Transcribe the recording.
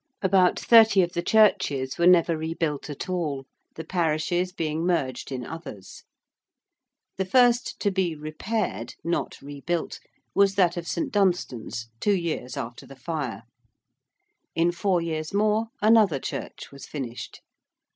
About thirty of the churches were never rebuilt at all, the parishes being merged in others. The first to be repaired, not rebuilt, was that of St. Dunstan's two years after the fire: in four years more, another church was finished.